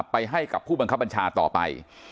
ไปให้กับผู้บังคับบัญชาต่อไป